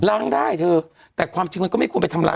ล้างได้เธอแต่ความจริงมันก็ไม่ควรไปทำร้าย